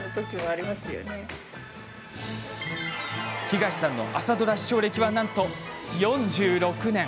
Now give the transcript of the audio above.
東さんの朝ドラ視聴歴はなんと４６年！